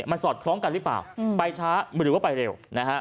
มันสอดคล้องกันหรือเปล่าไปช้าหรือว่าไปเร็วนะฮะ